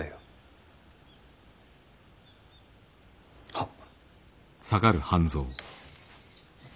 はっ。